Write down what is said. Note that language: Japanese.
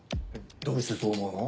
どうしてそう思うの？